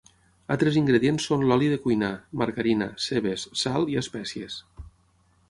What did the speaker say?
Altres ingredients són l'oli de cuinar, margarina, cebes, sal i espècies.